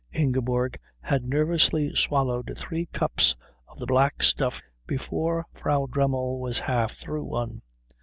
Ingeborg had nervously swallowed three cups of the black stuff before Frau Dremmel was half through one.